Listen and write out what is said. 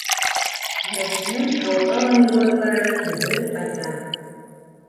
Мәҙинә һыуға ла йүгереп бара, йүгереп ҡайта.